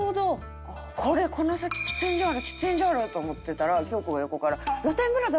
これこの先喫煙所ある喫煙所あるわって思ってたら京子が横から「露天風呂だ！